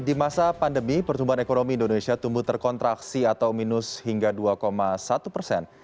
di masa pandemi pertumbuhan ekonomi indonesia tumbuh terkontraksi atau minus hingga dua satu persen